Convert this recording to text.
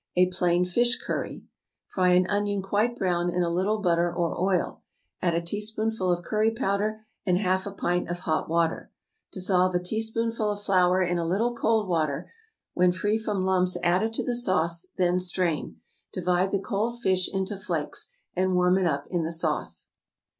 =A Plain Fish Curry.= Fry an onion quite brown in a little butter or oil, add a teaspoonful of curry powder and half a pint of hot water. Dissolve a teaspoonful of flour in a little cold water; when free from lumps add it to the sauce, then strain; divide the cold fish into flakes, and warm it up in the sauce.